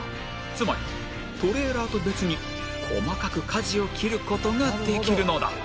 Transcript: つまりトレーラーと別に細かく舵を切る事ができるのだ